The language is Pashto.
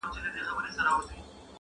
د پسونوتر زړو ویني څڅېدلې!!